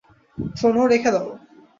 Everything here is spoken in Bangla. শোনো, রেখে দাও।